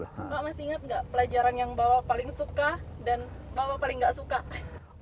bapak masih ingat nggak pelajaran yang bapak paling suka dan bapak paling nggak suka